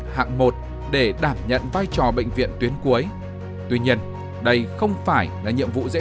hạng một để đảm nhận vai trò bệnh viện tuyến cuối tuy nhiên đây không phải là nhiệm vụ dễ